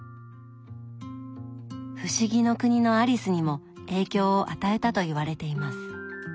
「不思議の国のアリス」にも影響を与えたといわれています。